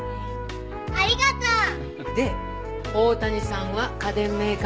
ありがとう！で大谷さんは家電メーカーのエンジニア。